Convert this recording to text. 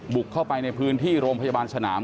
บุกเข้าไปในพื้นที่โรงพยาบาลสนาม